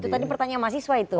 tadi pertanyaan mahasiswa itu